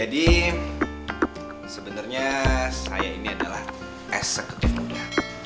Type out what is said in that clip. jadi sebenarnya saya ini adalah eksekutif muda